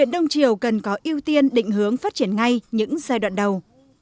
đông triều cần có ưu tiên định hướng phát triển ngay những giai đoạn đầu